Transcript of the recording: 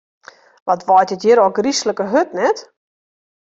Wat waait it hjir ôfgryslike hurd, net?